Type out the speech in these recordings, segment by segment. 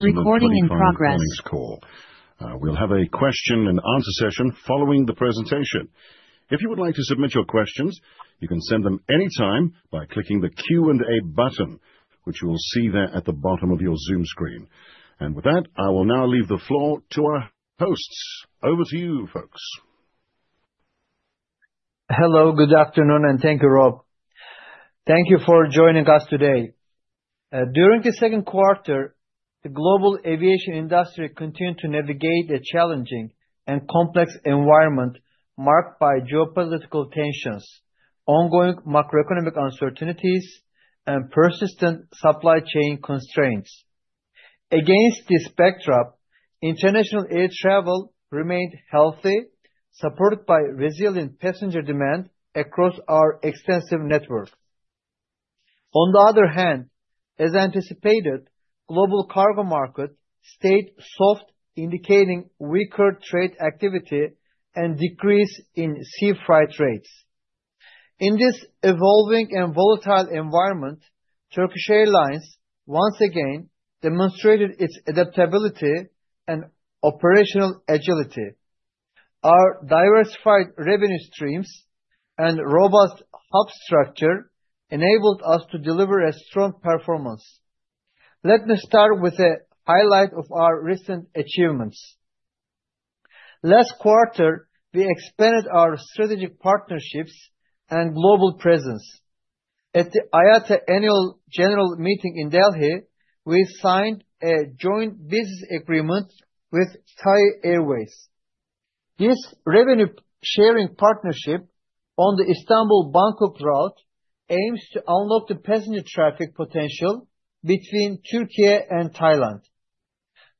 Recording in progress. We will have a question and answer session following the presentation. If you would like to submit your questions, you can send them anytime by clicking the Q and A button, which you will see at the bottom of your Zoom screen. With that, I will now leave the floor to our hosts. Over to you folks. Hello, good afternoon and thank you Rob, thank you for joining us today. During the second quarter, the global aviation industry continued to navigate a challenging and complex environment marked by geopolitical tensions, ongoing macroeconomic uncertainties, and persistent supply chain constraints. Against this backdrop, international air travel remained healthy, supported by resilient passenger demand across our extensive network. On the other hand, as anticipated, global cargo market stayed soft, indicating weaker trade activity and decrease in sea freight rates. In this evolving and volatile environment, Turkish Airlines once again demonstrated its adaptability and operational agility. Our diversified revenue streams and robust hub structure enabled us to deliver a strong performance. Let me start with a highlight of our recent achievements. Last quarter, we expanded our strategic partnerships and global presence. At the IATA Annual General Meeting in Delhi, we signed a joint business agreement with Thai Airways. This revenue sharing partnership on the Istanbul–Bangkok route aims to unlock the passenger traffic potential between Turkey and Thailand.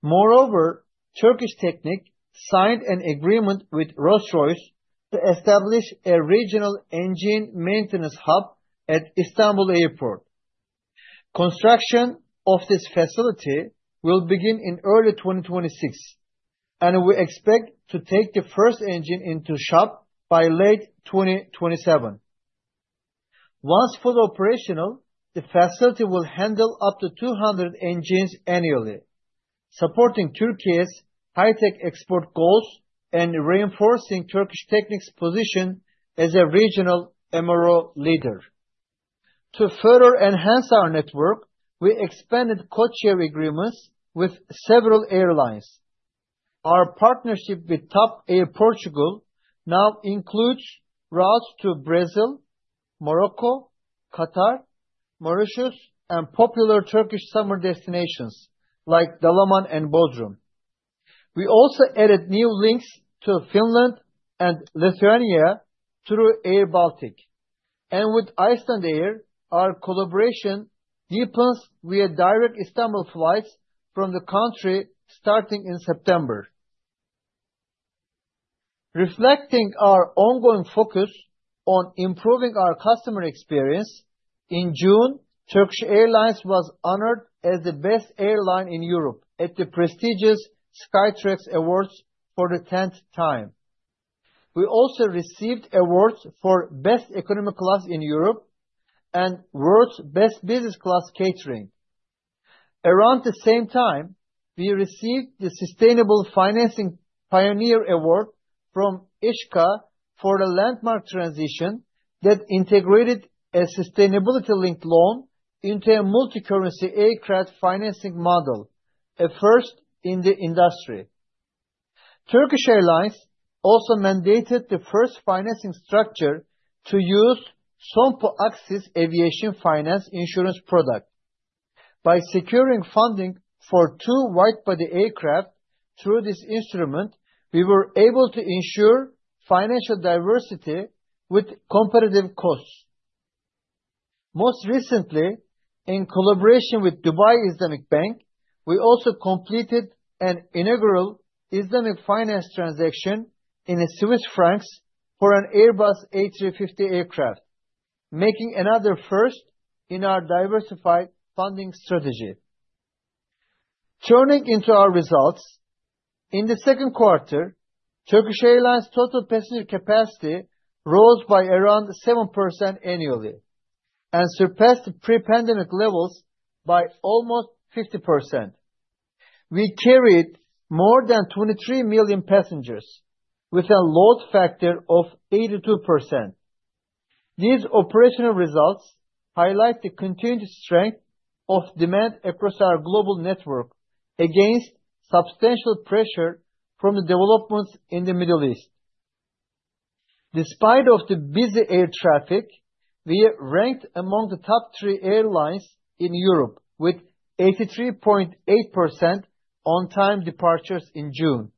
Moreover, Turkish Technic signed an agreement with Rolls-Royce to establish a regional engine maintenance hub at Istanbul Airport. Construction of this facility will begin in early 2026, and we expect to take the first engine into shop by late 2027. Once fully operational, the facility will handle up to 200 engines annually, supporting Turkey's high tech export goals and reinforcing Turkish Technic's position as a regional MRO leader. To further enhance our network, we expanded codeshare agreements with several airlines. Our partnership with TAP Air Portugal now includes routes to Brazil, Morocco, Qatar, Mauritius, and popular Turkish summer destinations like Dalaman and Bodrum. We also added new links to Finland and Lithuania through airBaltic and with Icelandair. Our collaboration deepens via direct Istanbul flights from the country starting in September, reflecting our ongoing focus on improving our customer experience. In June, Turkish Airlines was honored as the best airline in Europe at the prestigious Skytrax awards for the 10th time. We also received awards for Best Economy Class in Europe and World's Best Business Class Catering. Around the same time, we received the Sustainable Financing Pioneer Award from Ishka for a landmark transition that integrated a sustainability linked loan into a multi-currency aircraft financing model, a first in the industry. Turkish Airlines also mandated the first financing structure to use Sompo AXIS aviation finance insurance product. By securing funding for two widebody aircraft through this instrument, we were able to ensure financial diversity with competitive costs. Most recently, in collaboration with Dubai Islamic Bank, we also completed an integral Islamic finance transaction in Swiss francs for an Airbus A350 aircraft, making another first in our diversified funding strategy. Turning into our results in the second quarter, Turkish Airlines total passenger capacity rose by around 7% annually and surpassed pre-pandemic levels by almost 50%. We carried more than 23 million passengers with a load factor of 82%. These operational results highlight the continued strength of demand across our global network against substantial pressure from the developments in the Middle East. Despite the busy air traffic, we ranked among the top three airlines in Europe with 83.8% on-time departures in June.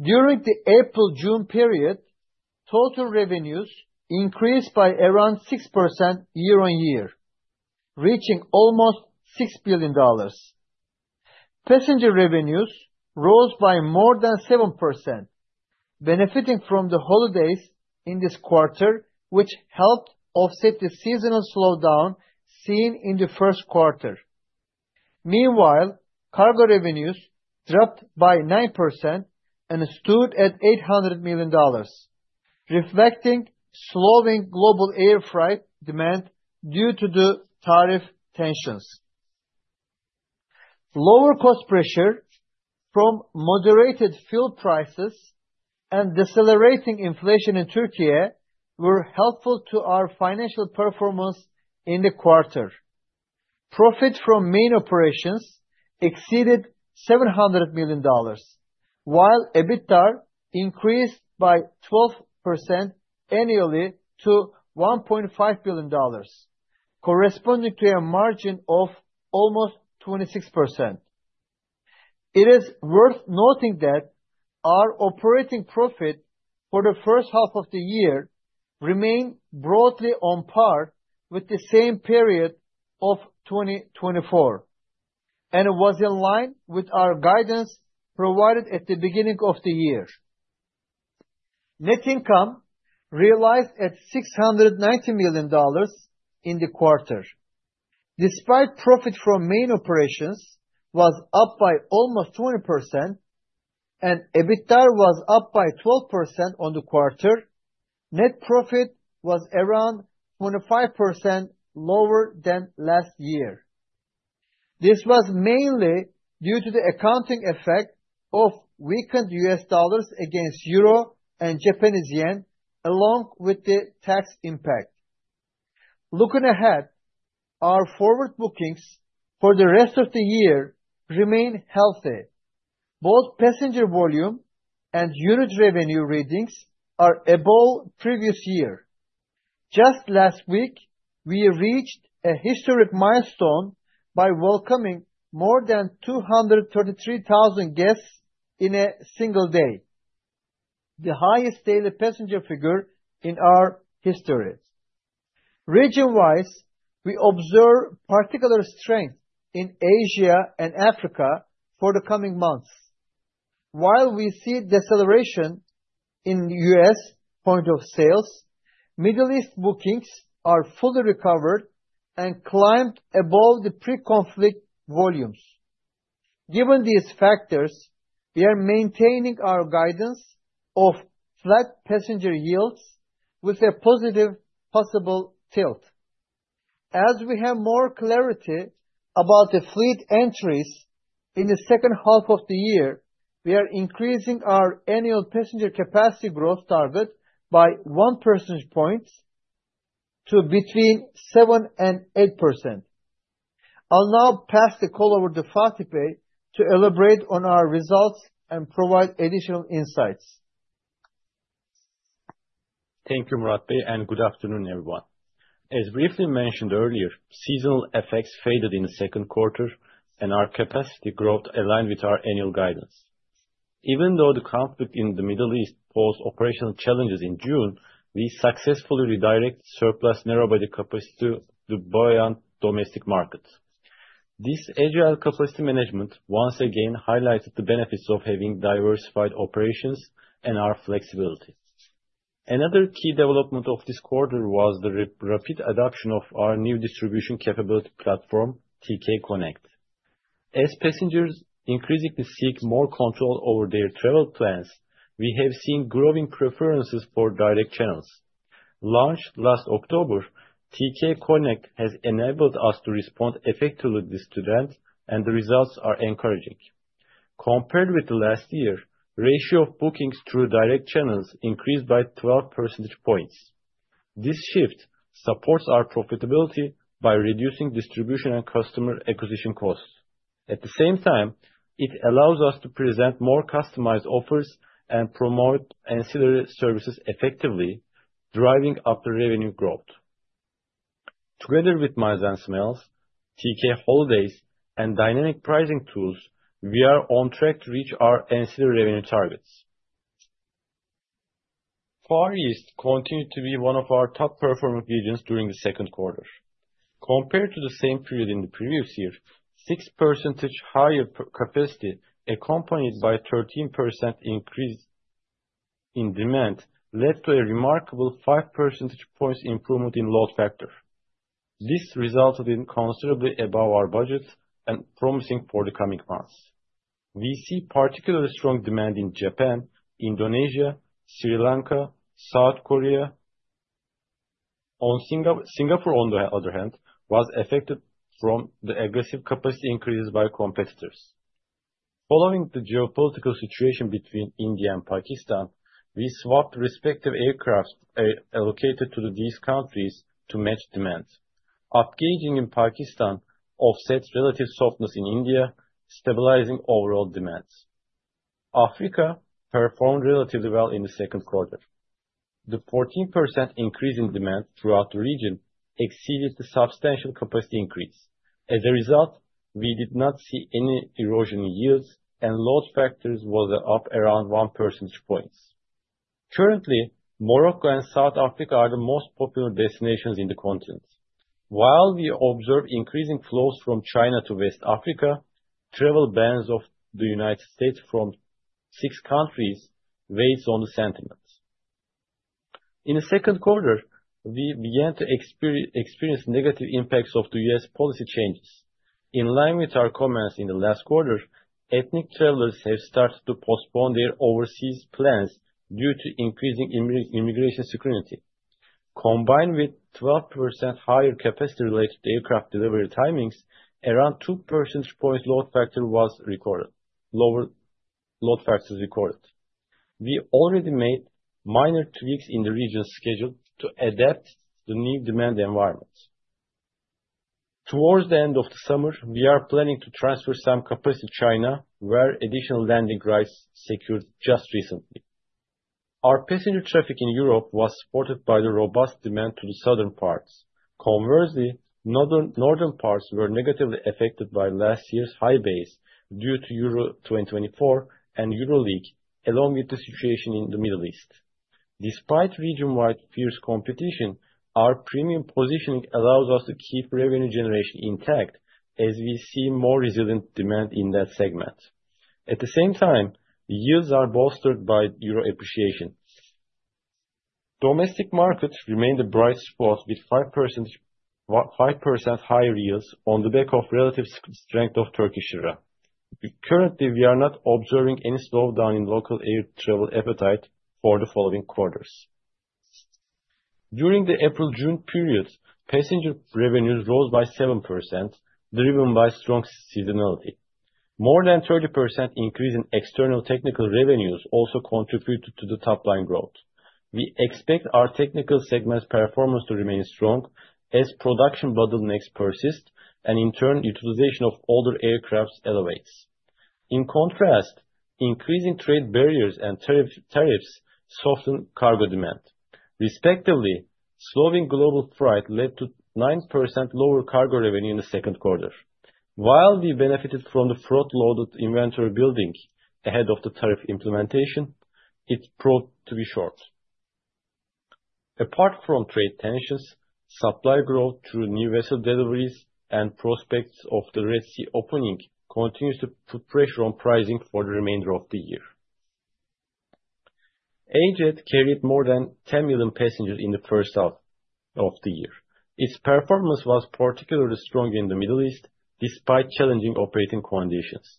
During the April–June period, total revenues increased by around 6% year on year, reaching almost $6 billion. Passenger revenues rose by more than 7%, benefiting from the holidays in this quarter, which helped offset the seasonal slowdown seen in the first quarter. Meanwhile, cargo revenues dropped by 9% and stood at $800 million, reflecting slowing global air freight demand due to the tariff tensions. Lower cost pressure from moderated fuel prices and decelerating inflation in Turkey were helpful to our financial performance in the quarter. Profit from main operations exceeded $700 million while EBITDA increased by 12% annually to $1.5 billion, corresponding to a margin of almost 26%. It is worth noting that our operating profit for the first half of the year remained broadly on par with the same period of 2024 and it was in line with our guidance provided at the beginning of the year. Net income realized at $690 million in the quarter. Despite profit from main operations was up by almost 20% and EBITDA was up by 12% on the quarter, net profit was around 25% lower than last year. This was mainly due to the accounting effect of weakened U.S. dollars against euro and Japanese yen, along with the tax impact. Looking ahead, our forward bookings for the rest of the year remain healthy. Both passenger volume and unit revenue readings are above previous year. Just last week we reached a historic milestone by welcoming more than 233,000 guests in a single day, the highest daily passenger figure in our history. Region wise, we observe particular strength in Asia and Africa for the coming months. While we see deceleration in U.S. point of sales, Middle East bookings are fully recovered and climbed above the pre-conflict volumes. Given these factors, we are maintaining our guidance of flat passenger yields with a positive possible tilt. As we have more clarity about the fleet entries in the second half of the year, we are increasing our annual passenger capacity growth target by 1 percentage point to between 7% and 8%. I'll now pass the call over to Fatih to elaborate on our results and provide additional insights. Thank you, Murat, and good afternoon everyone. As briefly mentioned earlier, seasonal effects faded in the second quarter and our capacity growth aligned with our annual guidance. Even though the conflict in the Middle East posed operational challenges, in June we successfully redirected surplus narrowbody capacity to the buoyant domestic market. This agile capacity management once again highlighted the benefits of having diversified operations and our flexibility. Another key development of this quarter was the rapid adoption of our new distribution capability platform, TK Connect. As passengers increasingly seek more control over their travel plans, we have seen growing preferences for direct channels. Launched last October, TK Connect has enabled us to respond effectively to this trend and the results are encouraging. Compared with last year, the ratio of bookings through direct channels increased by 12 percentage points. This shift supports our profitability by reducing distribution and customer acquisition costs. At the same time, it allows us to present more customized offers and promote ancillary services, effectively driving up our revenue growth. Together with Miles&Smiles, TK Holidays, and dynamic pricing tools, we are on track to reach our ancillary revenue targets. Far East continued to be one of our top performing regions during the second quarter compared to the same period in the previous year. 6% higher capacity accompanied by a 13% increase in demand led to a remarkable 5 percentage points improvement in load factor. This resulted in considerably above our budget and is promising for the coming months. We see particularly strong demand in Japan, Indonesia, Sri Lanka, and South Korea. Singapore, on the other hand, was affected by the aggressive capacity increases by competitors. Following the geopolitical situation between India and Pakistan, we swapped respective aircraft allocated to these countries to match demands. Upgrading in Pakistan offset relative softness in India, stabilizing overall demand. Africa performed relatively well in the second quarter. The 14% increase in demand throughout the region exceeded the substantial capacity increase. As a result, we did not see any erosion in yields and load factor was up around 1 percentage point. Currently, Morocco and South Africa are the most popular destinations in the continent, while we observe increasing flows from China to West Africa. Travel bans of the United States from six countries weighs on the sentiments. In the second quarter we began to experience negative impacts of the U.S. policy changes. In line with our comments in the last quarter, ethnic travelers have started to postpone their overseas plans due to increasing immigration scrutiny. Combined with 12% higher capacity related aircraft delivery timings, around 2 percentage point load factor was lower load factors recorded. We already made minor tweaks in the region's schedule to adapt the new demand environment. Towards the end of the summer, we are planning to transfer some capacity to China where additional landing rights secured. Just recently our passenger traffic in Europe was supported by the robust demand to the southern parts. Conversely, northern parts were negatively affected by last year's high base due to Euro 2024 and EuroLeague, along with the situation in the Middle East. Despite region wide fierce competition, our premium positioning allows us to keep revenue generation intact as we see more resilient demand in that segment. At the same time, the yields are bolstered by euro appreciation. Domestic markets remained a bright spot with 5% higher yields on the back of relative strength of Turkish euro. Currently, we are not observing any slowdown in local air travel appetite for the following quarters. During the April June period, passenger revenues rose by 7% driven by strong seasonality. More than 30% increase in external technical revenues also contributed to the top line growth. We expect our technical segment's performance to remain strong as production bottlenecks persist and in turn utilization of older aircraft elevates. In contrast, increasing trade barriers and tariffs soften cargo demand respectively. Slowing global trade led to 9% lower cargo revenue in the second quarter. While we benefited from the front loaded inventory building ahead of the tariff implementation, it proved to be short. Apart from trade tensions, supply growth through new vessel deliveries and prospects of the Red Sea opening continues to put pressure on pricing for the remainder of the year. Ajet carried more than 10 million passengers in the first half of the year. Its performance was particularly strong in the Middle East despite challenging operating conditions.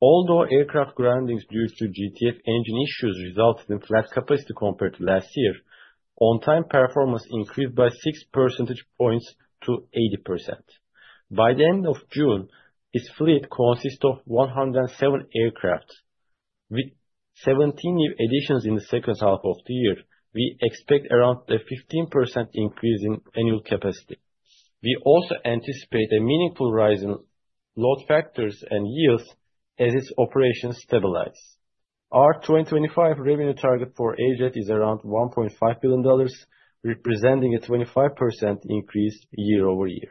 Although aircraft groundings due to GTF engine issues resulted in flat capacity compared to last year, on-time performance increased by 6% to 80% by the end of June. Its fleet consists of 107 aircraft with 17 new additions. In the second half of the year, we expect around a 15% increase in annual capacity. We also anticipate a meaningful rise in load factors and yields as its operations stabilize. Our 2025 revenue target for Ajet is around $1.5 billion, representing a 25% increase year over year.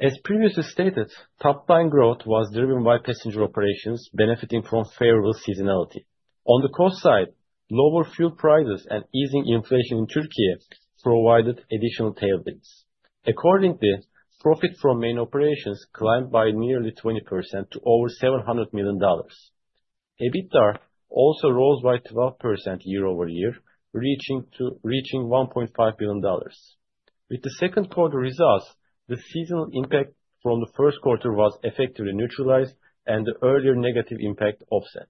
As previously stated, top line growth was driven by passenger operations benefiting from favorable seasonality. On the cost side, lower fuel prices and easing inflation in Turkey provided additional tailwinds. Accordingly, profit from main operations climbed by nearly 20% to over $700 million. EBITDA also rose by 12% year over year, reaching $1.5 billion. With the second quarter results, the seasonal impact from the first quarter was effectively neutralized and the earlier negative impact offset.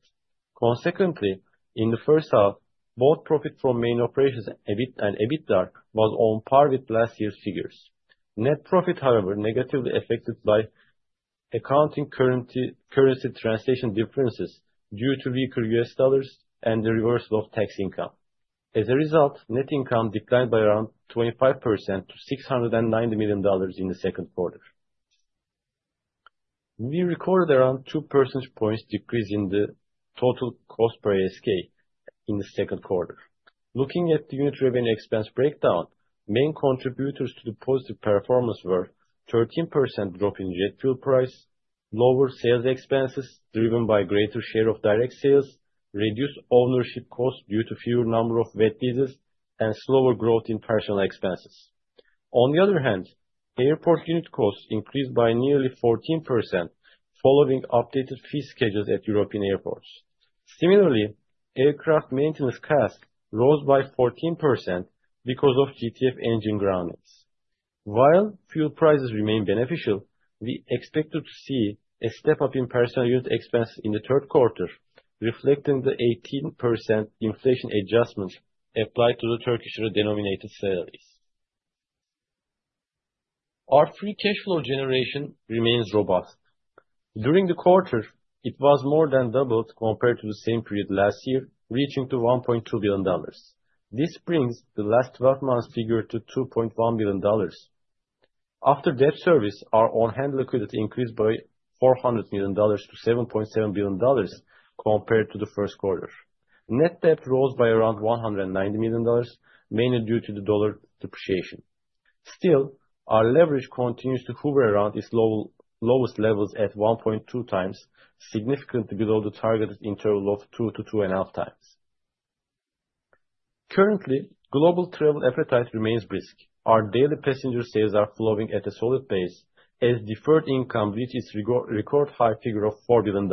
Consequently, in the first half, both profit from main operations, EBIT and EBITDA was on par with last year's figures. Net profit, however, was negatively affected by accounting currency translation differences due to weaker U.S. dollars and the reversal of tax income. As a result, net income declined by around 25% to $690 million in the second quarter. We recorded around a 2% decrease in the total cost per ASK in the second quarter. Looking at the unit revenue expense breakdown, main contributors to the positive performance were a 13% drop in jet fuel price, lower sales expenses driven by greater share of direct sales, reduced ownership costs due to fewer number of wet leases, and slower growth in personnel expenses. On the other hand, airport unit costs increased by nearly 14% following updated fee schedules at European airports. Similarly, aircraft maintenance costs rose by 14% because of GTF engine groundings. While fuel prices remain beneficial, we expect to see a step up in personnel unit expenses in the third quarter reflecting the 18% inflation adjustments applied to the Turkish lira denominated salaries. Our free cash flow generation remains robust. During the quarter, it was more than doubled compared to the same period last year, reaching $1.2 billion. This brings the last 12 months figure to $2.1 billion. After debt service, our on-hand liquidity increased by $400 million to $7.7 billion compared to the first quarter. Net debt rose by around $190 million mainly due to the dollar depreciation. Still, our leverage continues to hover around its lowest levels at 1.2x, significantly below the targeted interval of 2x-2.5x. Currently, global travel appetite remains brisk. Our daily passenger sales are flowing at a solid pace as deferred income reaches a record high figure of $4 billion,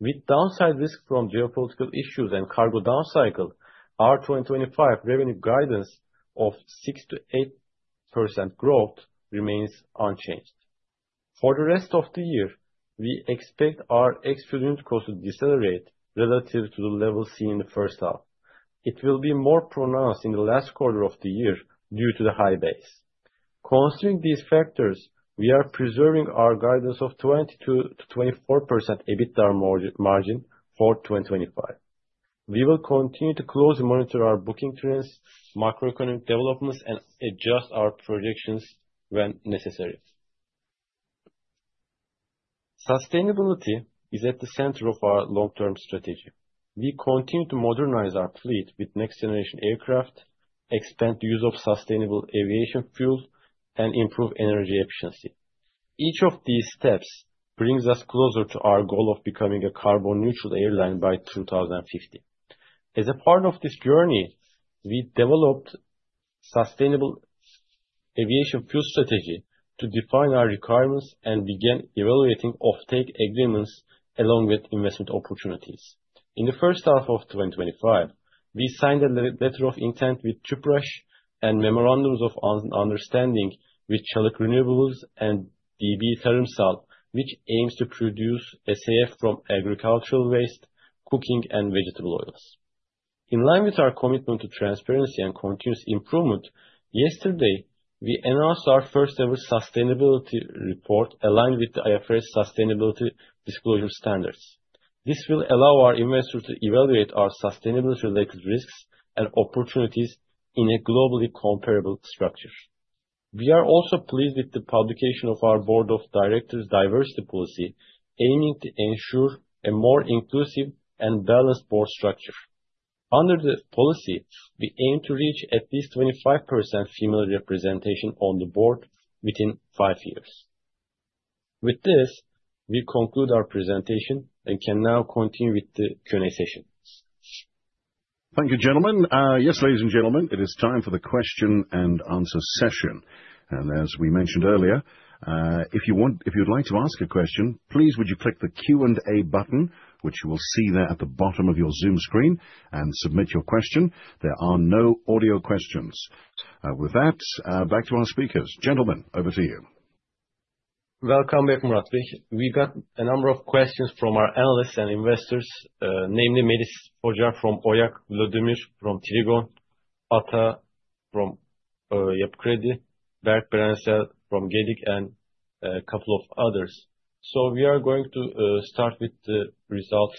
with downside risk from geopolitical issues and cargo down cycle. Our 2025 revenue guidance of 6%-8% growth remains unchanged for the rest of the year. We expect our excluded cost to decelerate relative to the level seen in the first half. It will be more pronounced in the last quarter of the year due to the high base. Considering these factors, we are preserving our guidance of 22%-24% EBITDA margin for 2025. We will continue to closely monitor our booking trends, macroeconomic developments, and adjust our projections when necessary. Sustainability is at the center of our long-term strategy. We continue to modernize our fleet with next generation aircraft, expand use of sustainable aviation fuel, and improve energy efficiency. Each of these steps brings us closer to our goal of becoming a carbon neutral airline by 2050. As a part of this journey, we developed a sustainable aviation fuel strategy to define our requirements and begin evaluating offtake agreements along with investment opportunities. In the first half of 2025, we signed a letter of intent with Dupress and memorandums of understanding with Çalik Renewables and DB Tarimsal, which aims to produce sustainable aviation fuel from agricultural waste, cooking and vegetable oils. In line with our commitment to transparency and continuous improvement, yesterday we announced our first ever sustainability report aligned with the IFRS Sustainability Disclosure Standards. This will allow our investors to evaluate our sustainability related risks and opportunities in a globally comparable structure. We are also pleased with the publication of our Board of Directors Diversity Policy, aiming to ensure a more inclusive and balanced board structure. Under the policy, we aim to reach at least 25% female representation on the board within five years. With this, we conclude our presentation and can now continue with the Q and A session. Thank you, gentlemen. Yes, ladies and gentlemen, it is time for the question and answer session. As we mentioned earlier, if you'd like to ask a question, please do so. Please would you click the Q&A. A button which you will see there at the bottom of your Zoom screen and submit your question. There are no audio questions. With that, back to our speakers. Gentlemen, over to you. Welcome back. We got a number of questions from our analysts and investors, namely Medis Oja from OJAR, Lodomir from Trigon, Atta from Yapkredi, Bergparan from Gedig and a couple of others. We are going to start with the results.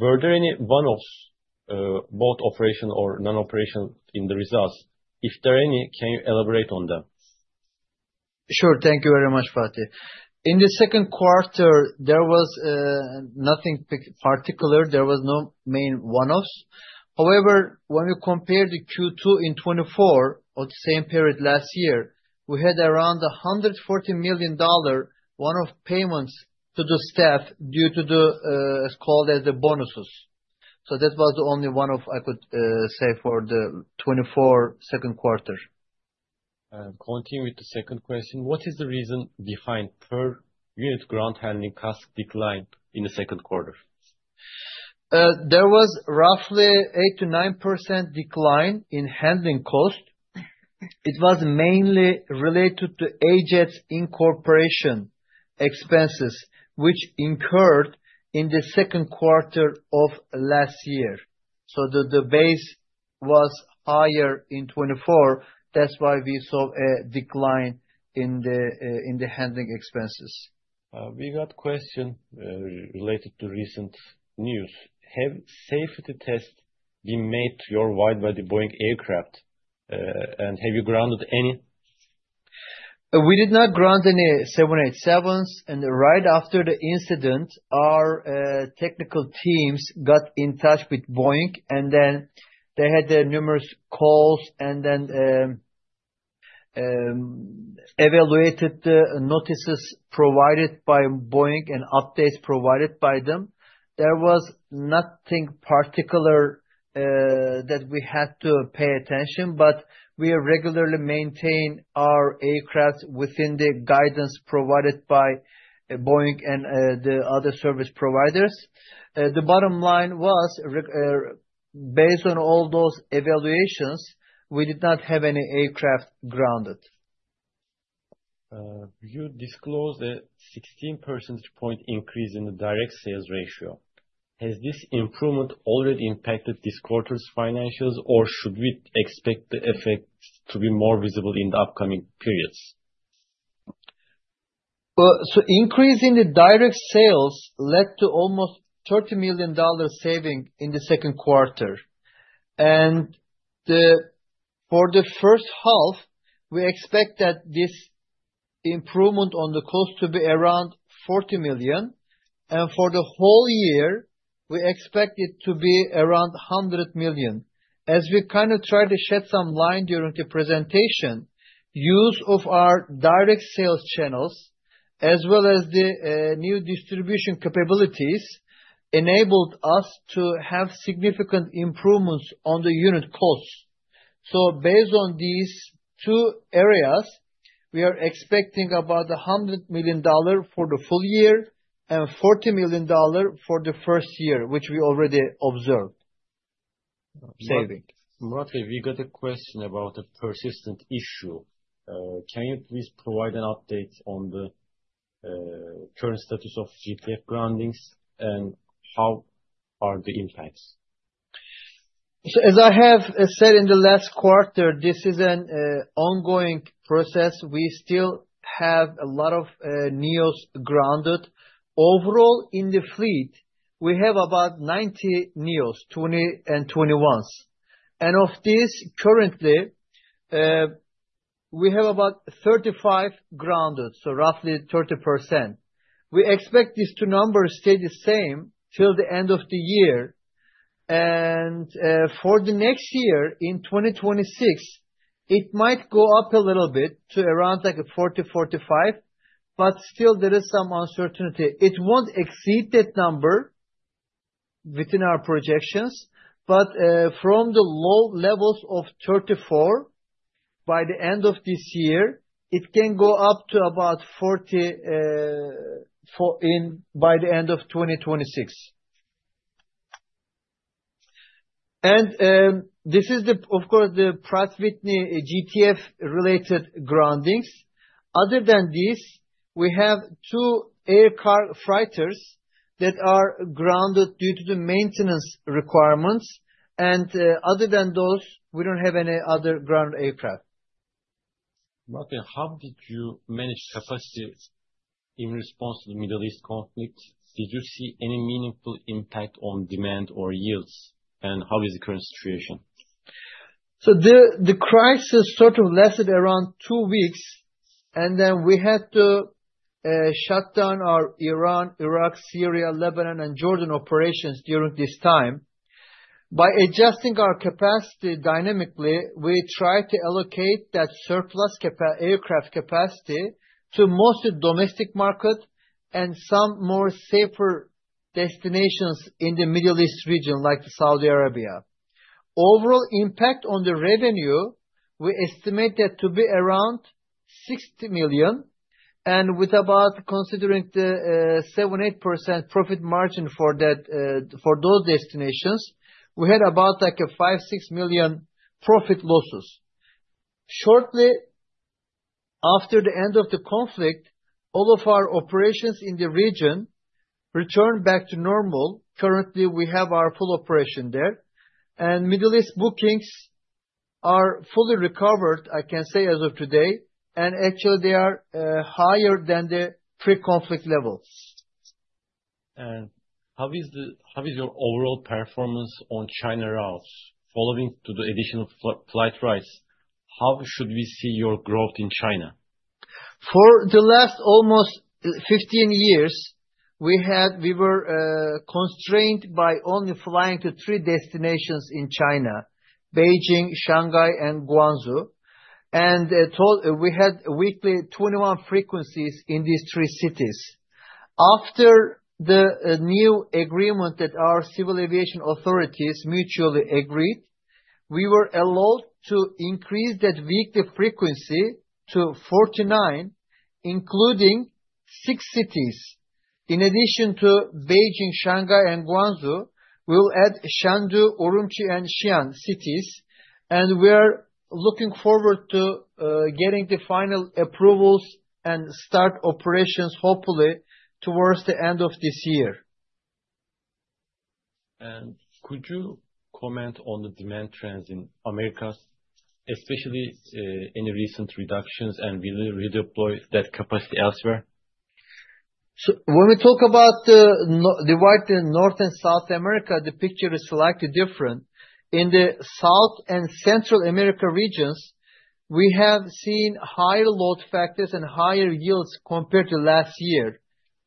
Were there any one offs, both operation or non operation in the results? If there are any, can you elaborate on them? Sure. Thank you very much. Fatih, in the second quarter there was nothing particular, there was no main one-offs. However, when you compare the Q2 in 2024 to the same period last year, we had around $140 million of payments to the staff due to the bonuses. That was the only one-off I could say for the 2024 second quarter. Continue with the second question. What is the reason behind per unit ground handling cost decline The second quarter? there was roughly 8%-9% decline in handling cost. It was mainly related to Ajet incorporation expenses which incurred in the second quarter of last year. The base was higher in 2024. That's why we saw a decline in the handling expenses. We got question related to recent news. Have safety tests been made to your wide by the Boeing aircraft, and have you grounded any? We did not ground any 787s, and right after the incident our technical teams got in touch with Boeing, and then they had their numerous calls and then evaluated the notices provided by Boeing and updates provided by them. There was nothing particular that we had to pay attention to, but we regularly maintain our aircraft within the guidance provided by Boeing and the other service providers. The bottom line was based on all those evaluations, we did not have any aircraft grounded. You disclosed a 16% increase in the direct sales ratio. Has this improvement already impacted this quarter's financials, or should we expect the effect to be more visible in the upcoming periods? The increase in the direct sales led to almost $30 million saving in the second quarter. For the first half, we expect that this improvement on the cost to be around $40 million. For the whole year, we expect it to be around $100 million. As we kind of try to shed some light during the presentation, use of our direct sales channels as well as the new distribution capabilities enabled us to have significant improvements on the unit costs. Based on these two areas, we are expecting about $100 million for the full year and $40 million for the first half, which we already observed. We got a question about a persistent issue. Can you please provide an update on the current status of CPF groundings, and how are the impacts? As I have said in the last quarter, this is an ongoing process. We still have a lot of NEOs grounded. Overall in the fleet we have about 90 NEOs, 20 and 21s. Of this, currently we have about 35 grounded, so roughly 30%. We expect these two numbers to stay the same till the end of the year. For the next year, in 2026, it might go up a little bit to around 40, 45. There is some uncertainty. It won't exceed that number within our projections. From the low levels of 34 by the end of this year, it can go up to about 40 by the end of 2026. This is, of course, the Pratt & Whitney GTF related groundings. Other than this, we have two aircraft that are grounded due to the maintenance requirements. Other than those, we don't have any other ground aircraft. Murat, how did you manage capacities in response to the Middle East conflict? Did you see any meaningful impact on demand or yields? How is the current situation? The crisis sort of lasted around two weeks, and then we had to shut down our Iran, Iraq, Syria, Lebanon, and Jordan operations during this time. By adjusting our capacity dynamically, we tried to allocate that surplus aircraft capacity to mostly domestic market and some more safer destinations in the Middle East region like Saudi Arabia. Overall impact on the revenue, we estimate that to be around $60 million, and with about considering the 7.8% profit margin for that. For those destinations, we had about like a $5.6 million profit losses. Shortly after the end of the conflict, all of our operations in the region return back to normal. Currently, we have our full operation there, and Middle East bookings are fully recovered I can say as of today, and actually they are higher than the pre-conflict level. How is your overall performance on China routes following the addition of flight rise? How should we see your growth in China? For the last almost 15 years, we were constrained by only flying to three destinations in China: Beijing, Shanghai, and Guangzhou. We had weekly 21 frequencies in these three cities. After the new agreement that our civil aviation authorities mutually agreed, we were allowed to increase that weekly frequency to 49, including 6 cities. In addition to Beijing, Shanghai, and Guangzhou, we will add Chengdu, Urumqi, and Xi'an cities, and we're looking forward to getting the final approvals and start operations hopefully towards the end of this year. Could you comment on the demand trends in the Americas, especially any recent reductions, and will you redeploy that capacity elsewhere? When we talk about divide in North and South America, the picture is slightly different. In the South and Central America regions we have seen higher load factors and higher yields compared to last year.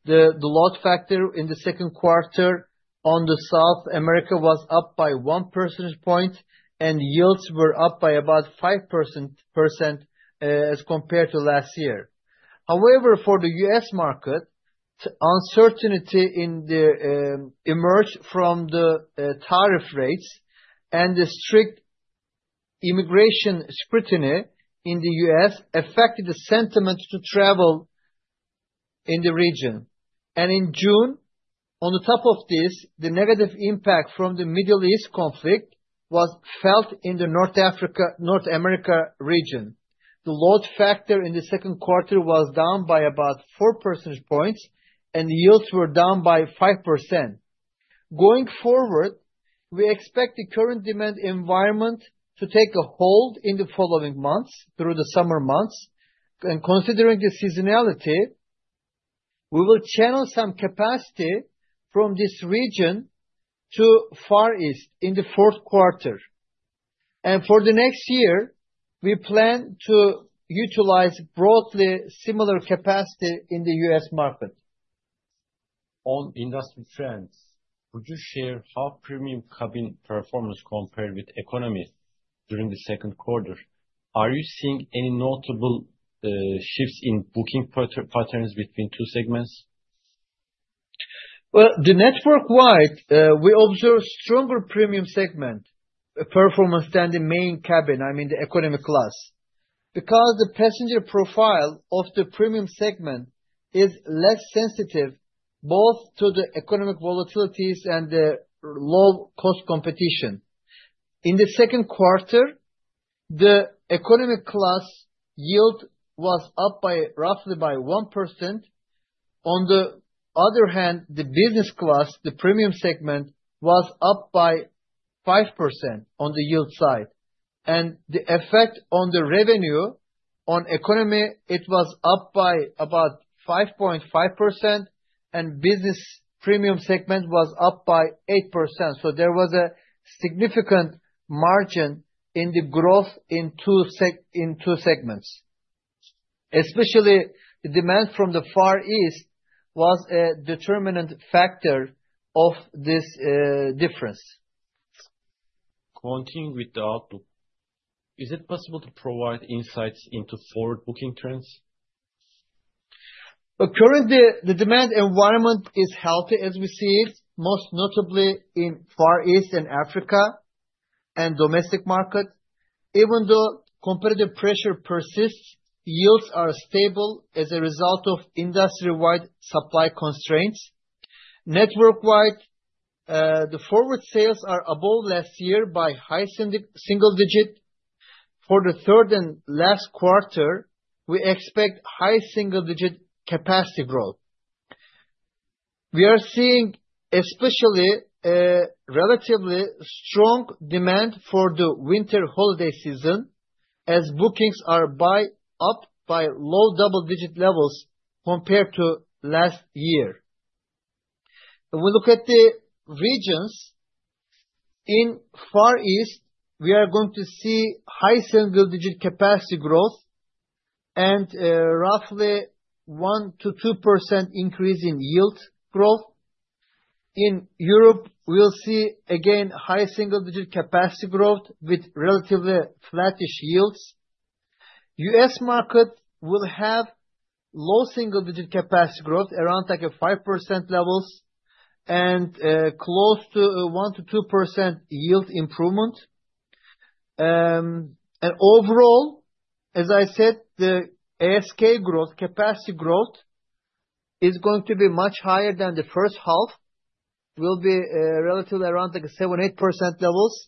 The load factor in the second quarter on the South America was up by 1 percentage point and yields were up by about 5% as compared to last year. However, for the U.S. market, uncertainty in the emerge from the tariff rates and the strict immigration scrutiny in the U.S. affected the sentiment to travel in the region. In June, on top of this, the negative impact from the Middle East conflict was felt. In the North America region, the load factor in the second quarter was down by about 4 percentage points and yields were down by 5%. Going forward, we expect the current demand environment to take a hold in the following months through the summer months, and considering the seasonality, we will channel some capacity from this region to Far East in the fourth quarter. For the next year, we plan to utilize broadly similar capacity in the U.S. market. On industrial trends, would you share how premium have been performance compared with economies during the second quarter? Are you seeing any notable shifts in booking portrait patterns between two segments? The network wide we observe stronger premium segment performance than the main cabin, I mean the economy class, because the passenger profile of the premium segment is less sensitive both to the economic volatilities and the low cost competition. In the second quarter the economy class yield was up by roughly 1%. On the other hand, the business class, the premium segment, was up by 5% on the yield side and the effect on the revenue on economy, it was up by about 5.5%, and business premium segment was up by 8%. There was a significant margin in the growth in two segments. Especially demand from the Far East was a determinant factor of this difference. Continuing with the outlook, is it possible to provide insights into forward booking trends? Currently the demand environment is healthy as we see it, most notably in Far East and Africa and domestic market. Even though competitive pressure persists, yields are stable as a result of industry wide supply constraints. Network wide, the forward sales are above last year by high single digit. For the third and last quarter, we expect high single digit capacity growth. We are seeing especially a relatively strong demand for the winter holiday season as bookings are up by low double digit levels compared to last year. We look at the regions in Far East, we are going to see high single digit capacity growth and roughly 1%-2% increase in yield growth. In Europe, we'll see again high single digit capacity growth with relatively flattish yields. U.S. market will have low single digit capacity growth around like a 5% levels and close to 1%-2% yield improvement. Overall, as I said, the ASK growth capacity growth is going to be much higher than the first half, will be relatively around like 7.8% levels,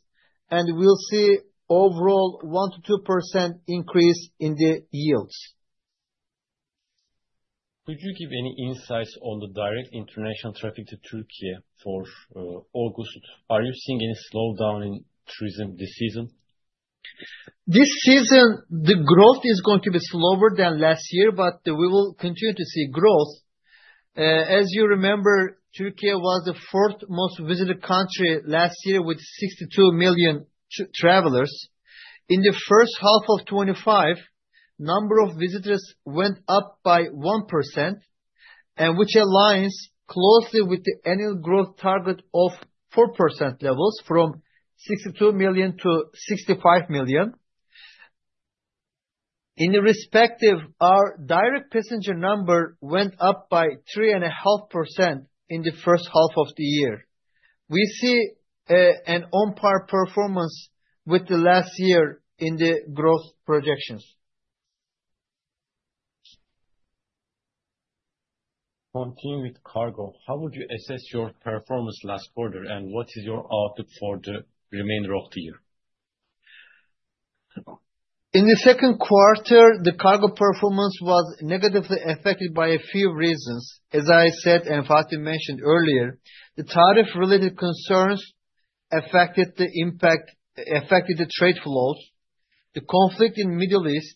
and we'll see overall 1%-2% increase in the yields. Could you give any insights on the direct international traffic to Turkey for August? Are you seeing any slowdown in swim this season? This season the growth is going to be slower than last year, but we will continue to see growth. As you remember, Turkey was the fourth most visited country last year with 62 million travelers. In first half of 2025, number of visitors went up by 1%, which aligns closely with the annual growth target of 4% levels from 62 million to 65 million. In respective, our direct passenger number went up by 3.5% in the first half of the year. We see an on par performance with the last year in the growth projections. With cargo, how would you assess your performance last quarter, and what is your outlook for the remainder of the year? In the second quarter, the cargo performance was negatively affected by a few reasons. As I said and Fatih mentioned earlier, the tariff-related concerns affected the impact, affected the trade flows. The conflict in the Middle East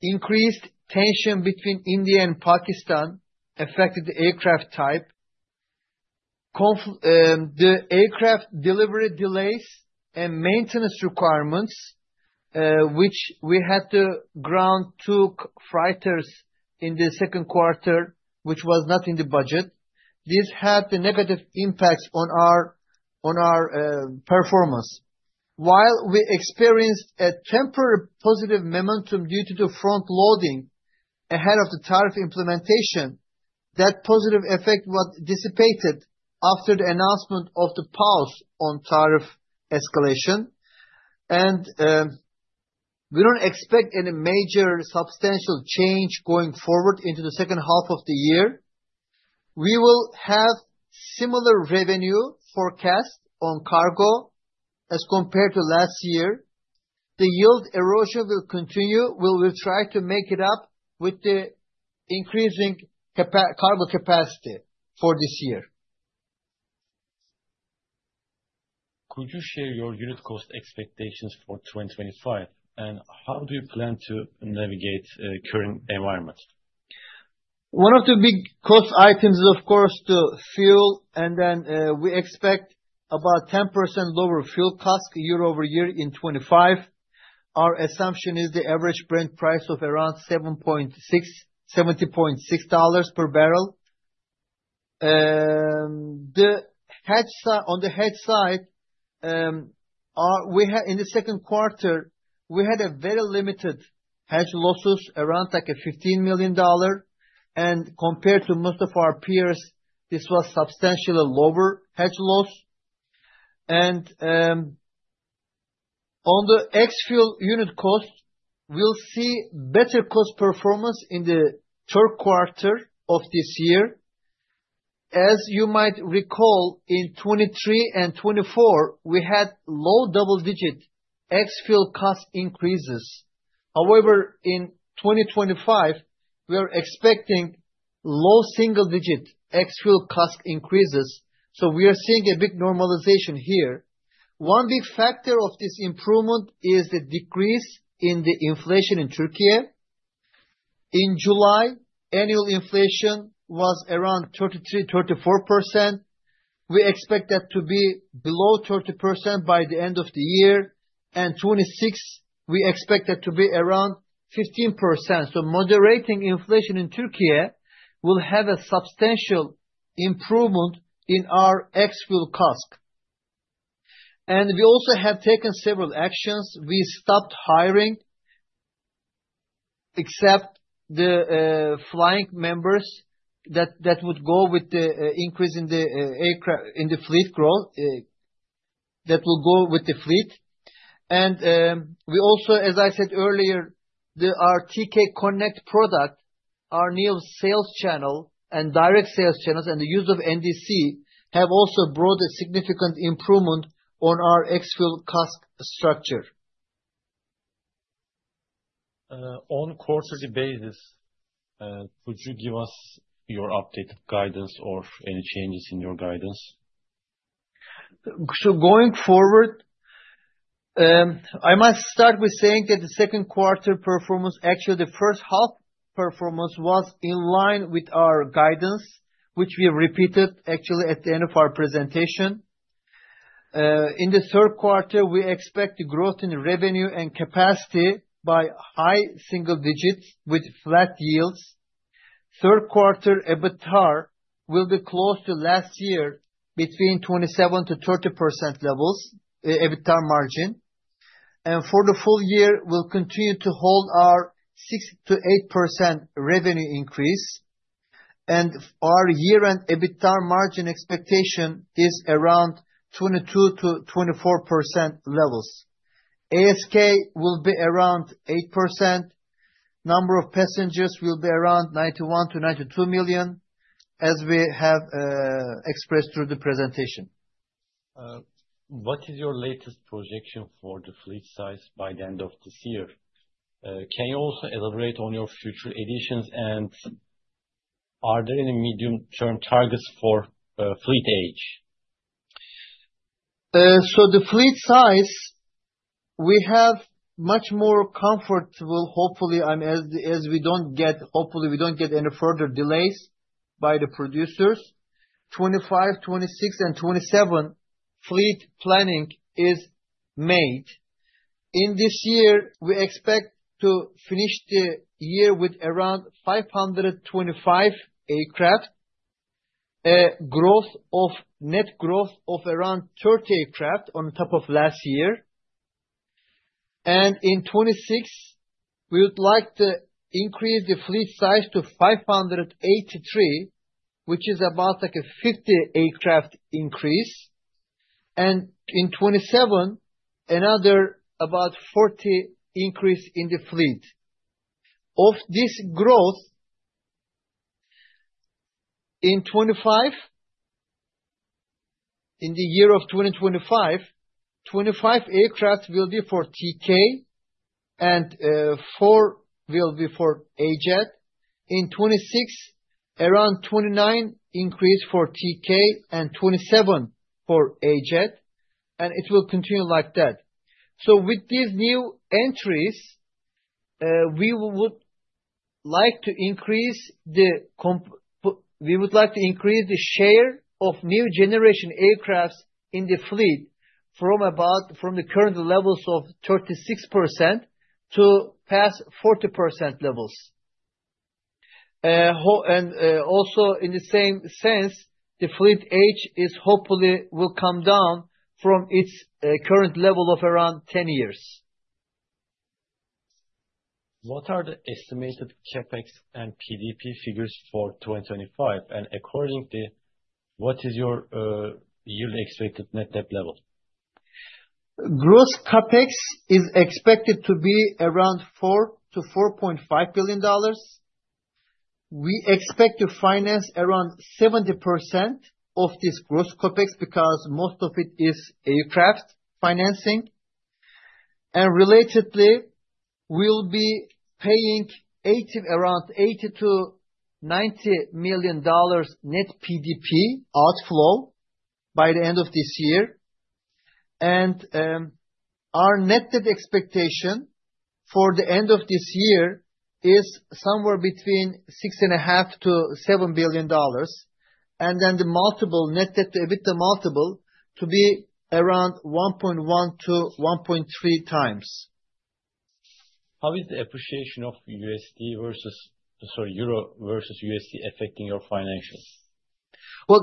increased tension between India and Pakistan, affected the aircraft type. The aircraft delivery delays and maintenance requirements, which we had to ground, took freighters in the second quarter, which was not in the budget. This had negative impacts on our performance. While we experienced a temporary positive momentum due to the front loading ahead of the tariff implementation, that positive effect was dissipated after the announcement of the pause on tariff escalation. We don't expect any major substantial change going forward into the second half of the year. We will have similar revenue forecast on cargo as compared to last year. The yield erosion will continue. We will try to make it up with the increasing cargo capacity for this year. Could you share your unit cost expectations for 2025, and how do you plan to navigate the current environment? One of the big cost items is of course the fuel, and then we expect about 10% lower fuel cost year over year. In 2025 our assumption is the average Brent price of around $70.6 per barrel. On the hedge side, in the second quarter we had very limited hedge losses, around like a $15 million, and compared to most of our peers this was substantially lower hedge loss. On the ex fuel unit cost, we'll see better cost performance in the third quarter of this year. As you might recall, in 2023 and 2024 we had low double-digit ex fuel cost increases. However, in 2025 we are expecting low single-digit ex fuel cost increases. We are seeing a big normalization here. One big factor of this improvement is the decrease in the inflation in Turkey. In July, annual inflation was around 33%, 34%. We expect that to be below 30% by the end of the year. In 2026 we expect that to be around 15%. Moderating inflation in Turkey will have a substantial improvement in our ex fuel cost. We also have taken several actions. We stopped hiring except the flying members that would go with the increase in the fleet growth that will go with the fleet. As I said earlier, the TK Connect product, our new sales channel and direct sales channels, and the use of NDC have also brought a significant improvement on our ex fuel CASK structure. On a quarterly basis, could you give us your updated guidance or any changes in your guidance? Going forward, I must start with saying that the second quarter performance, actually the first half performance, was in line with our guidance, which we repeated at the end of our presentation. In the third quarter, we expect growth in revenue and capacity by high single digits with flat yields. Third quarter EBITDAR will be close to last year, between 27%- 30% levels EBITDA margin, and for the full year we'll continue to hold our 6%-8% revenue increase. Our year-end EBITDA margin expectation is around 22%-24% levels. ASK will be around 8%. Number of passengers will be around 91 million-92 million, as we have expressed through the presentation. What is your latest projection for the fleet size by the end of this year? Can you also elaborate on your future additions, and are there any medium term targets for fleet age? The fleet size we have is much more comfortable. Hopefully we don't get any further delays by the producers. 2025, 2026, and 2027 fleet planning is made in this year. We expect to finish the year with around 525 aircraft, a net growth of around 30 aircraft on top of last year. In 2026 we would like to increase the fleet size to 583, which is about a 50 aircraft increase, and in 2027 another about 40 increase in the fleet. Of this growth in 2025, 25 aircraft will be for TK and 4 will be for Ajet. In 2026 around 29 increase for TK and 27 for Ajet, and it will continue like that. With these new entries we would like to increase the comp. We would like to increase the share of new generation aircraft in the fleet from the current levels of 36% to past 40% levels. Also, in the same sense, the fleet age hopefully will come down from its current level of around 10 years. What are the estimated CapEx and PDP figures for 2025, and according to what is your yield exceeded net debt level? Gross CapEx is expected to be around $4 billion-$4.5 billion. We expect to finance around 70% of this gross CapEx because most of it is aircraft financing, and relatedly we'll be paying around $80 million-$90 million net PDP outflow by the end of this year. Our net debt expectation for the end of this year is somewhere between $6.5 billion-$7 billion, and the net debt to EBITDA multiple to be around 1.1x-1.3x. How is the appreciation of euro versus USD affecting your financials?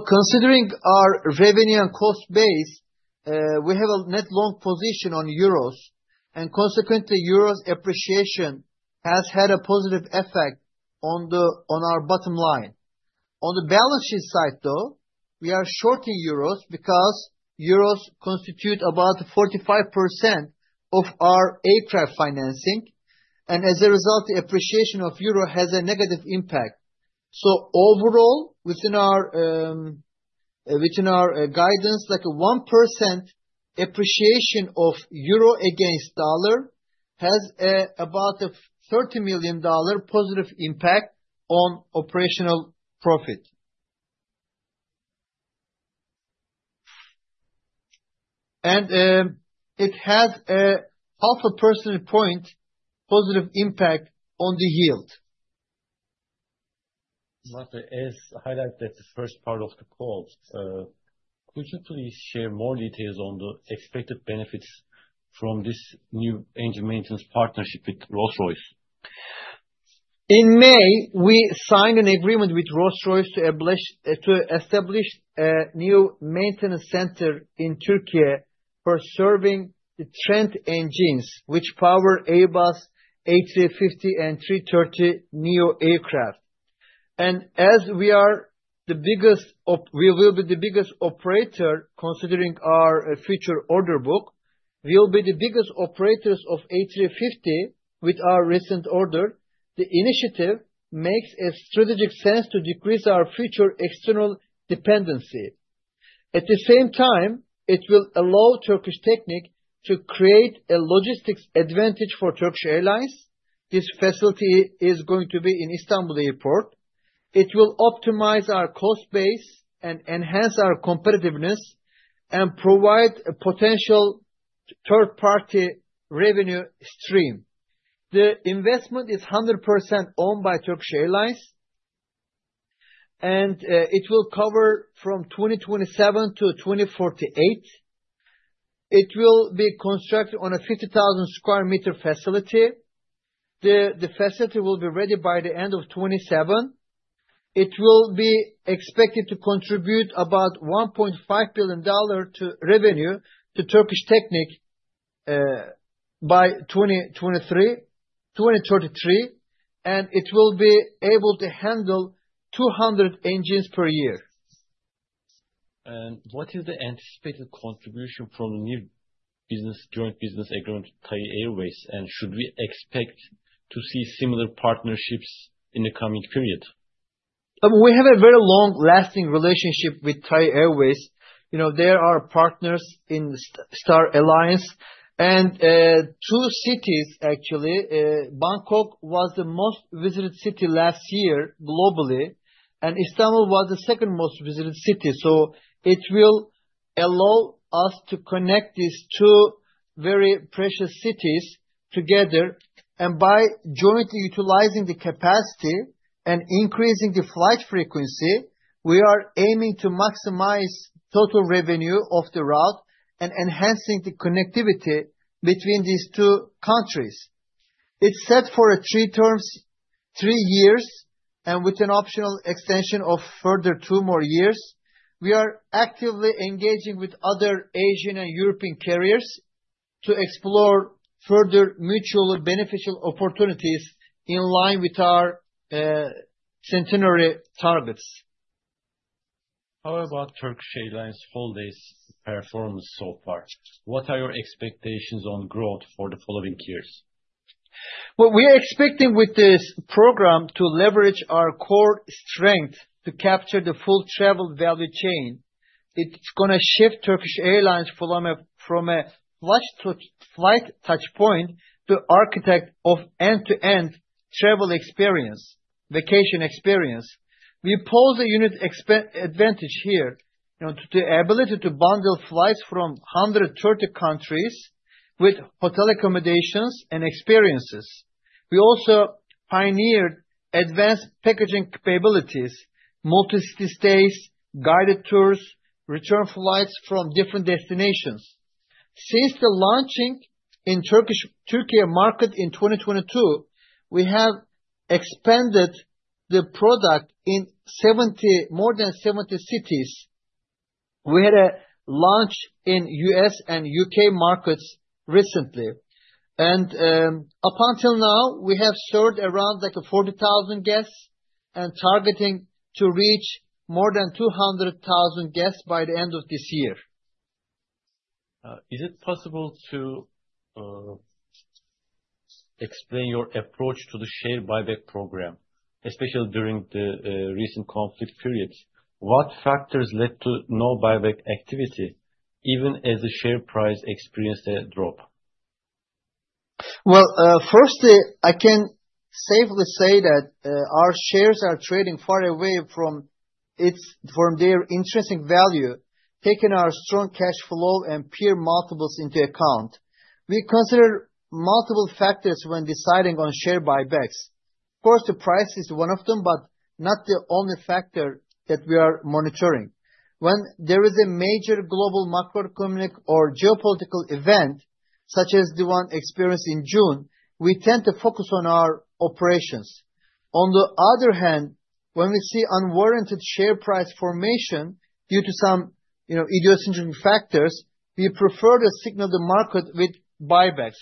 Considering our revenue and cost base, we have a net long position on Euros and consequently Euros appreciation has had a positive effect on our bottom line. On the balance sheet side though, we are shorting Euros because Euros constitute about 45% of our aircraft financing and as a result the appreciation of Euro has a negative impact. Overall, within our guidance, like a 1% appreciation of Euro against dollar has about $30 million positive impact on operational profit and it has a 0.5% positive impact on the yield. Murat, as highlighted in the first part of the call, could you please share more details on the expected benefits from this new engine maintenance partnership with Rolls-Royce? In May we signed an agreement with Rolls-Royce to establish a new maintenance center in Turkey for serving the Trent engines which power Airbus A350 and 330neo aircraft. As we will be the biggest operator considering our future order book, we will be the biggest operators of A350. With our recent order, the initiative makes strategic sense to decrease our future external dependency. At the same time, it will allow Turkish Technic to create a logistics advantage for Turkish Airlines. This facility is going to be in Istanbul Airport. It will optimize our cost base and enhance our competitiveness and provide a potential third party revenue stream. The investment is 100% owned by Turkish Airlines and it will cover from 2027 to 2048. It will be constructed on a 50,000 square meter facility. The facility will be ready by the end of 2027. It will be expected to contribute about $1.5 billion to revenue to Turkish Technic by 2032-2033 and it will be able to handle 200 engines per year. What is the anticipated contribution from the new business Joint Business Agreement with Thai Airways? Should we expect to see similar partnerships in the coming period? We have a very long lasting relationship with Thai Airways. You know they are partners in Star Alliance and two cities. Actually, Bangkok was the most visited city last year globally and Istanbul was the second most visited city. It will allow us to connect these two very precious cities together. By jointly utilizing the capacity and increasing the flight frequency, we are aiming to maximize total revenue of the route and enhancing the connectivity between these two countries. It's set for three terms, three years, with an optional extension of a further two more years. We are actively engaging with other Asian and European carriers to explore further mutually beneficial opportunities in line with our centenary targets. How about Turkish Airlines Holidays' performance so far? What are your expectations on growth for the following years? We are expecting with this program to leverage our core strength to capture the full travel value chain. It's going to shift Turkish Airlines from a flight touch point to architect of end to end travel experience, vacation experience. We pose a unit advantage here, the ability to bundle flights from 130 countries with hotel accommodations and experiences. We also pioneered advanced packaging capabilities, multi city stays, guided tours, return flights from different destinations. Since the launching in Turkey market in 2022, we have expanded the product in more than 70 cities. We had a launch in U.S. and U.K. markets recently and up until now we have served around 40,000 guests and targeting to reach more than 200,000 guests by the end of this year. Is it possible to explain your approach to the share buyback program, especially during the recent conflict periods? What factors led to no buyback activity even as the share price experienced a drop? I can safely say that our shares are trading far away from their intrinsic value, taking our strong cash flow and peer multiples into account. We consider multiple factors when deciding on share buybacks. Of course, the price is one of them, but not the only factor that we are monitoring. When there is a major global macroeconomic or geopolitical event such as the one experienced in June, we tend to focus on our operations. On the other hand, when we see unwarranted share price formation due to some idiosyncratic factors, we prefer to signal the market with buybacks.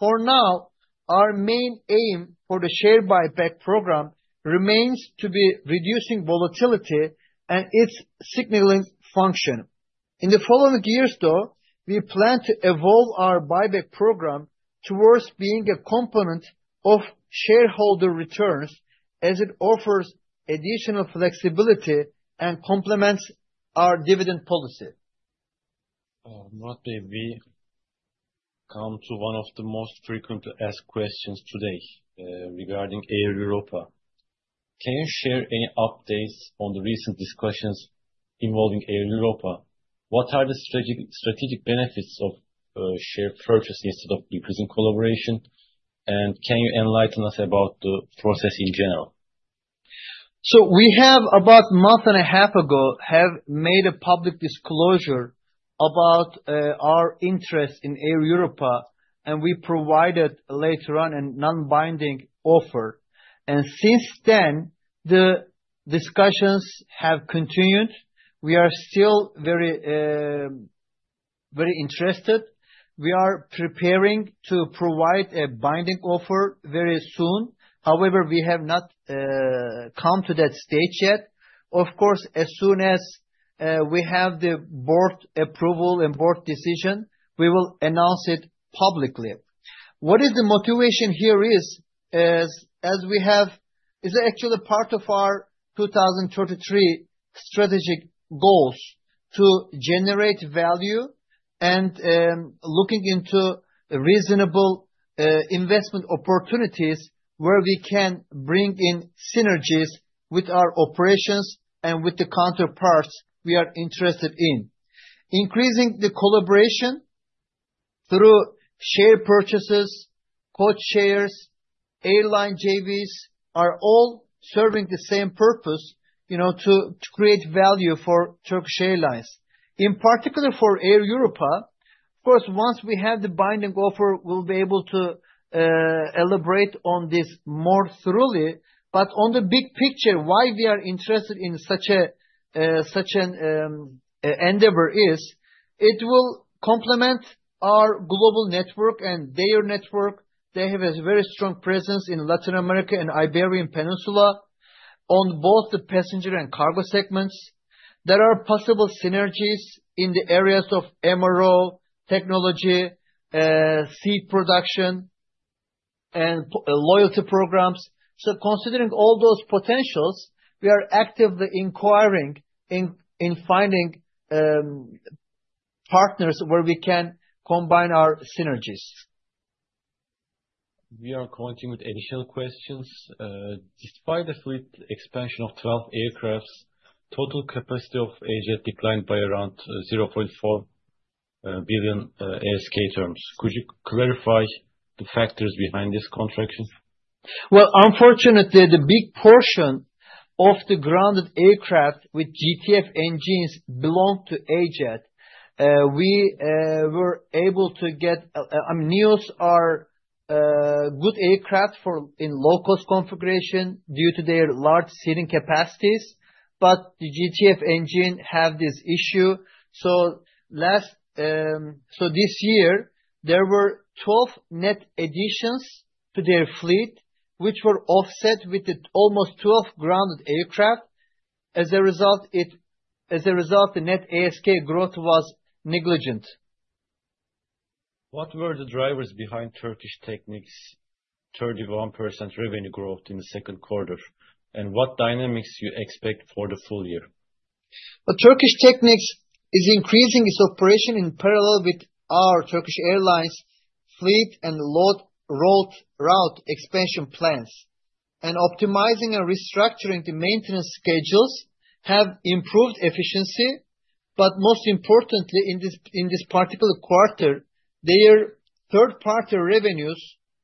For now, our main aim for the share buyback program remains to be reducing volatility and its signaling function. In the following years, we plan to evolve our buyback program towards being a component of shareholder returns as it offers additional flexibility and complements our dividend policy. We come to one of the most frequently asked questions today regarding Air Europa. Can you share any updates on the recent discussions involving Air Europa? What are the strategic benefits of shared purchase instead of increasing collaboration? Can you enlighten us about the process in general? About a month and a half ago, we made a public disclosure about our interest in Air Europa and we provided later on a non-binding offer. Since then, the discussions have continued. We are still very, very interested. We are preparing to provide a binding offer very soon. However, we have not come to that stage yet. Of course, as soon as we have the board approval and board decision, we will announce it publicly. What is the motivation here is, as we have, it is actually part of our 2023 strategic goals to generate value and looking into reasonable investment opportunities where we can bring in synergies with our operations and with the counterparts. We are interested in increasing the collaboration through share purchases. Codeshares, airline JVs are all serving the same purpose, you know, to create value for Turkish Airlines, in particular for Air Europa. Of course, once we have the binding offer, we'll be able to elaborate on this more thoroughly. On the big picture, why we are interested in such an endeavor is it will complement our global network and their network. They have a very strong presence in Latin America and the Iberian Peninsula on both the passenger and cargo segments. There are possible synergies in the areas of MRO technology, seat production, and loyalty programs. Considering all those potentials, we are actively inquiring in finding partners where we can combine our synergies. We are continuing with additional questions. Despite the fleet expansion of 12 aircraft, total capacity of Asia declined by around 0.4 billion ASK terms. Could you clarify the factors behind this contraction? Unfortunately, the big portion of the grounded aircraft with GTF engines belong to Ajet. We were able to get and these are good aircraft for in low cost configuration due to their large seating capacities. The GTF engine have this issue, so this year there were 12 net additions to their fleet, which were offset with almost 12 grounded aircraft. As a result, the net ASK growth was negligent. What were the drivers behind Turkish Technic's 31% revenue growth in the second quarter, and what dynamics do you expect for the full year? Turkish Technic is increasing its operation in parallel with our Turkish Airlines fleet and route expansion plans, and optimizing and restructuring the maintenance schedules have improved efficiency. Most importantly, in this particular quarter, their third party revenues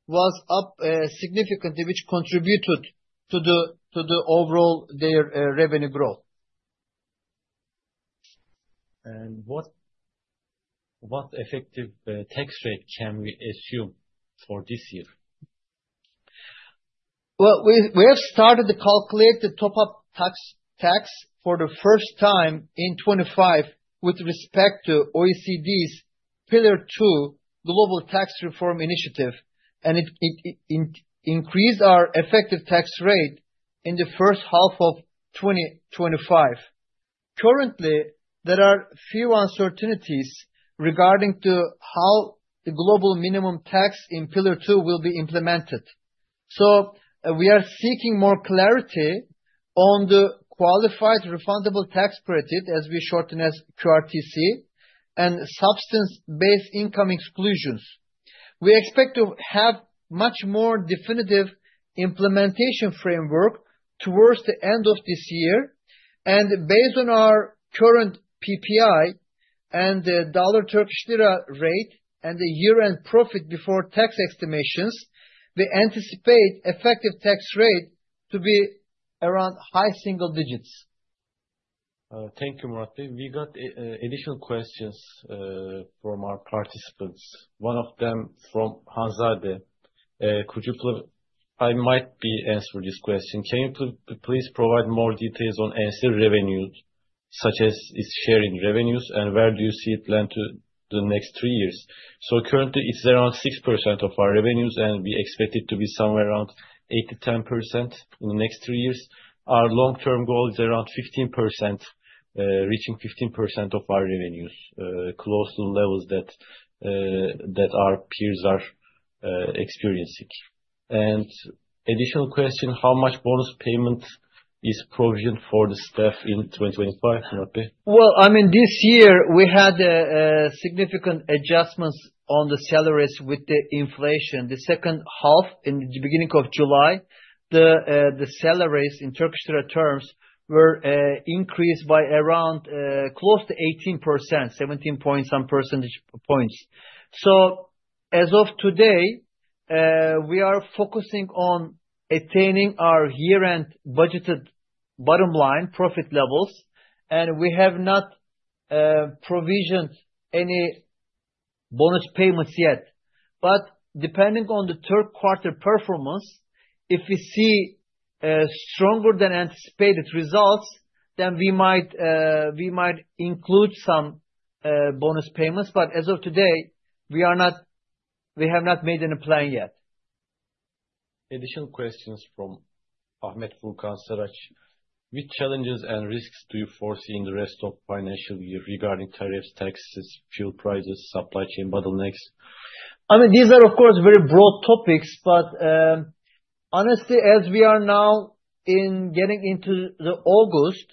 was up significantly, which contributed to the overall their revenue growth. What effective tax rate can we assume for this year? We have started to calculate the top up tax for the first time in 2025 with respect to OECD's Pillar 2 global tax reform initiative and increase our effective tax rate in the first half of 2025. Currently, there are few uncertainties regarding how the global minimum tax in Pillar 2 will be implemented. We are seeking more clarity on the qualified refundable tax credit, which we shorten as QRTC, and substance based income exclusions. We expect to have much more definitive implementation framework towards the end of this year, and based on our current PPI and the dollar/Turkish Lira rate and the year end profit before tax estimations, we anticipate effective tax rate to be around high single digits. Thank you, Murat. We got additional questions from our participants, one of them from Hans Alde. Could you please provide more details on ancillary revenues such as its sharing revenues and where do you see it lend to the next three years? Currently, it's around 6% of our revenues and we expect it to be somewhere around 8% to 10% in the next three years. Our long term goal is around 15%, reaching 15% of our revenues, close to the levels that our peers are experiencing. An additional question, how much bonus payment is provision for the staff in 2025? This year we had significant adjustments on the salaries. With the inflation the second half in the beginning of July, the salaries in Turkish territorial terms were increased by around close to 18%, 17 points, some percentage points. As of today we are focusing on attaining our year end budgeted bottom line profit levels and we have not provisioned any bonus payments yet. Depending on the third quarter performance, if we see stronger than anticipated results then we might, we might include some bonus payments, but as of today we are not, we have not made any plan yet. Additional questions from Ahmed Phukhan Saraj: which challenges and risks do you foresee in the rest of financial year regarding tariffs, taxes, fuel prices, supply chain bottlenecks. I mean these are of course very broad topics, but honestly as we are now getting into August,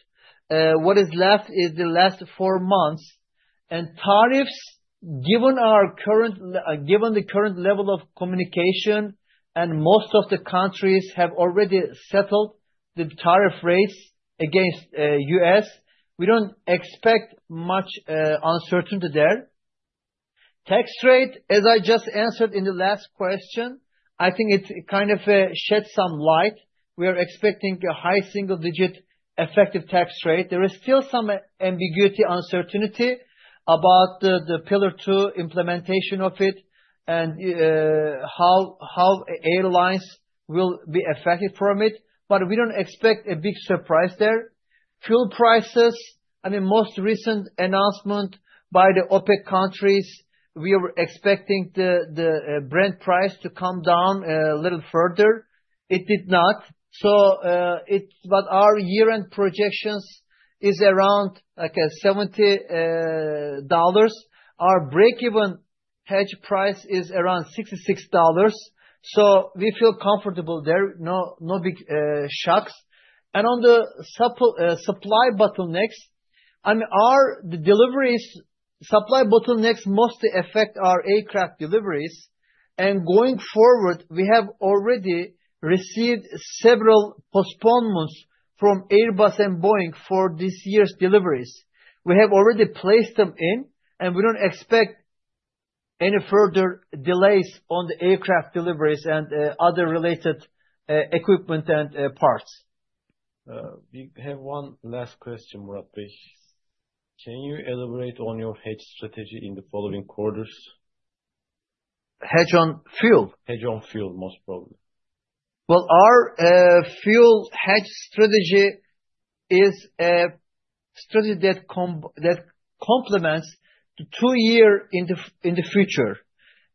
what is left is the last four months and tariffs. Given the current level of communication and most of the countries have already settled the tariff rates against us, we don't expect much uncertainty there. Tax rate, as I just answered in the last question, I think it kind of shed some light. We are expecting a high single-digit effective tax rate. There is still some ambiguity, uncertainty about the pillar 2 implementation of it and how airlines will be affected from it. We don't expect a big surprise there. Fuel prices, I mean most recent announcement by the OPEC countries, we were expecting the Brent price to come down a little further. It did not, but our year-end projections is around $70. Our breakeven hedge price is around $66. We feel comfortable there. No big shocks. On the supply bottlenecks, I mean the deliveries. Supply bottlenecks mostly affect our aircraft deliveries and going forward we have already received several postponements from Airbus and Boeing for this year's deliveries. We have already placed them in and we don't expect any further delays on the aircraft deliveries and other related equipment and parts. We have one last question, Murat, can you elaborate on your hedge strategy in the following quarters? Hedge on fuel, hedge on fuel most probably. Our fuel hedge strategy is a strategy that complements the two year in the future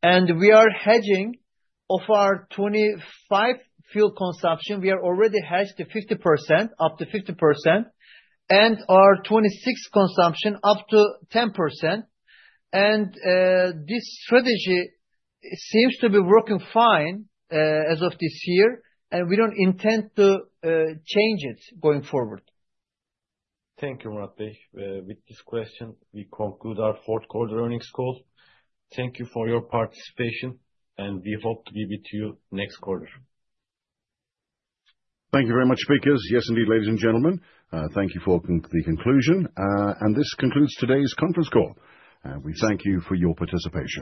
and we are hedging of our 2025 fuel consumption. We are already hedged to 50% up to 50% and our 2026 consumption up to 10% and this strategy seems to be working fine as of this year and we don't intend to change it going forward. Thank you. With this question, we conclude our fourth quarter earnings call. Thank you for your participation, and we hope to give it to you next quarter. Thank you very much. Yes, indeed, ladies and gentlemen, thank you for the conclusion. This concludes today's conference call. We thank you for your participation.